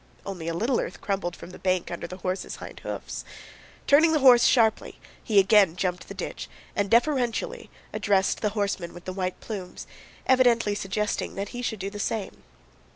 Only a little earth crumbled from the bank under the horse's hind hoofs. Turning the horse sharply, he again jumped the ditch, and deferentially addressed the horseman with the white plumes, evidently suggesting that he should do the same.